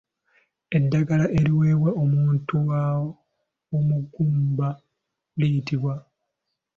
Eddagala eriweebwa omuntu omugumba liyitibwa?